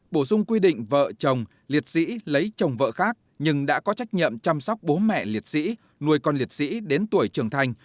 bổ sung quy định vợ chồng liệt sĩ lấy chồng vợ khác nhưng đã có trách nhiệm chăm sóc bố mẹ liệt sĩ nuôi con liệt sĩ đến tuổi trưởng thành